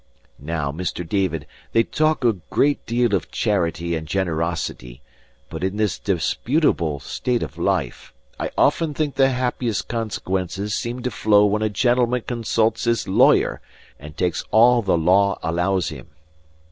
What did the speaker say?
Now, Mr. David, they talk a great deal of charity and generosity; but in this disputable state of life, I often think the happiest consequences seem to flow when a gentleman consults his lawyer, and takes all the law allows him.